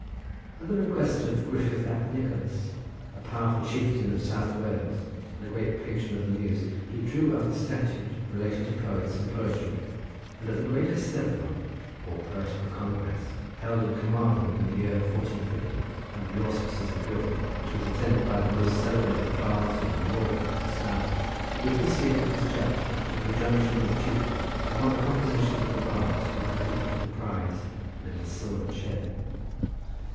At the request of Griffith ap Nicholas, a powerful chieftain of South Wales, and a great patron of the muse, he drew up a statute relating to poets and poetry, and at the great Eisteddfod, or poetical congress, held at Carmarthen, in the year 1450, under the auspices of Griffith, which was attended by the most celebrated bards of the north and south, he officiated as judge in conjunction with the chieftain upon the compositions of the bards who competed for the prize, a little silver chair.